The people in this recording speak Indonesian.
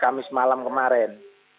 kamis malam kemarin